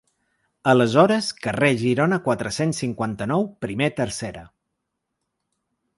Aleshores Carrer Girona quatre-cents cinquanta-nou primer tercera.